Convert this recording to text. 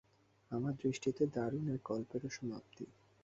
আমার দৃষ্টিতে, দারুণ এক গল্পেরও সমাপ্তি।